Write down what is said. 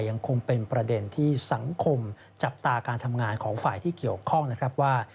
ยังคงเป็นประเด็นที่สังคมจับตาการทำงานของฝ่ายที่เกี่ยวข้องนะครับว่า